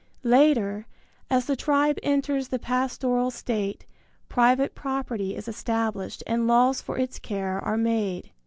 Later, as the tribe enters the pastoral state, private property is established and laws for its care are made.